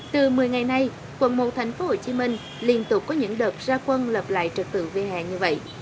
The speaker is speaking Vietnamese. từ một mươi ngày nay quận một tp hcm liên tục có những đợt ra quân lập lại trật tự vỉ hàng như vậy